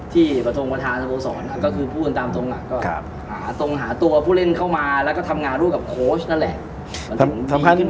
ที่ประทงประธานสโมสรก็คือพูดกันตามตรงก็หาตรงหาตัวผู้เล่นเข้ามาแล้วก็ทำงานร่วมกับโค้ชนั่นแหละ